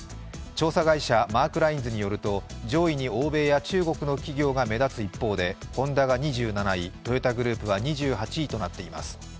調査会社マークラインズによると上位に欧米や中国の企業が目立つ一方でホンダが２７位、トヨタグループは２８位となっています。